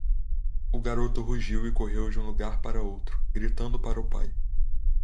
O garoto rugiu e correu de um lugar para outro, gritando para o pai.